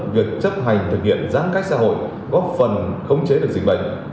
việc chấp hành thực hiện giãn cách xã hội góp phần khống chế được dịch bệnh